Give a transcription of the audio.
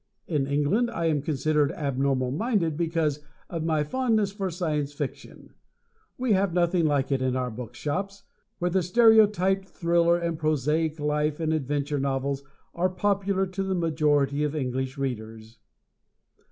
In England I am considered abnormal minded because of my fondness for Science Fiction. We have nothing like it in our bookshops, where the stereotyped thriller and prosaic life and adventure novels are popular to the majority of English Readers.